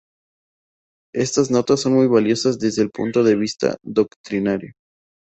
Estas notas son muy valiosas desde el punto de vista doctrinario.